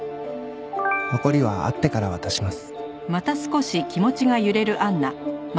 「残りは会ってから渡します」